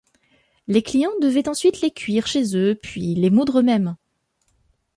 Les clients devaient ensuite les cuire chez eux puis les moudre eux-mêmes.